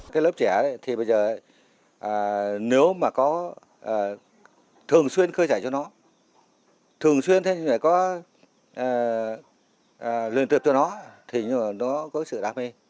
cái lớp trẻ thì bây giờ nếu mà có thường xuyên khơi trải cho nó thường xuyên có luyện tuyệt cho nó thì nó có sự đam mê